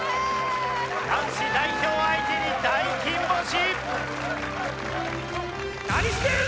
男子代表相手に大金星！